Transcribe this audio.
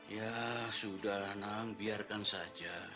ya sudah nang biarkan saja